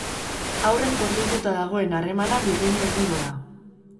Aurrez pozoituta dagoen harremana birrindu egingo da.